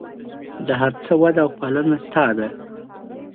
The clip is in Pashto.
د هر څه وده او پالنه ستا ده.